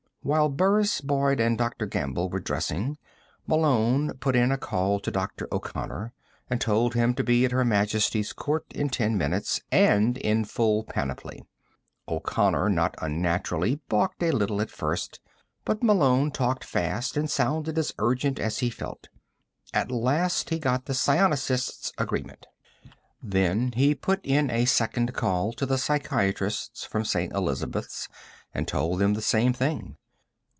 While Burris, Boyd and Dr. Gamble were dressing, Malone put in a call to Dr. O'Connor and told him to be at Her Majesty's court in ten minutes and in full panoply. O'Connor, not unnaturally, balked a little at first. But Malone talked fast and sounded as urgent as he felt. At last he got the psionicist's agreement. Then he put in a second call to the psychiatrists from St. Elizabeths and told them the same thing.